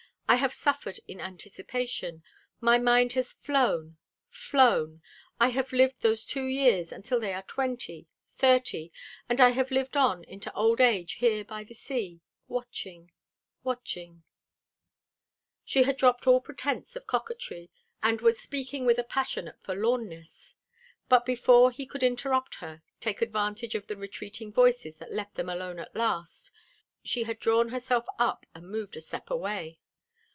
I have suffered in anticipation. My mind has flown flown I have lived those two years until they are twenty, thirty, and I have lived on into old age here by the sea, watching, watching " She had dropped all pretence of coquetry and was speaking with a passionate forlornness. But before he could interrupt her, take advantage of the retreating voices that left them alone at last, she had drawn herself up and moved a step away.